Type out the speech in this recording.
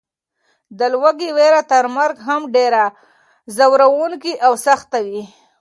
د لوږې وېره تر مرګ هم ډېره ځوروونکې او سخته وي.